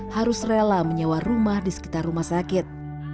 harus rela menyewa rumah di sekitar rumah sakit